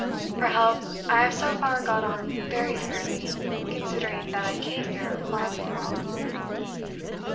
For health, I have so far got on very fairly, considering that I came here far from well."